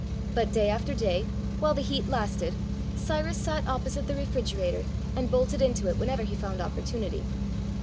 But day after day, while the heat lasted, Cyrus sat opposite the refrigerator and bolted into it whenever he found opportunity.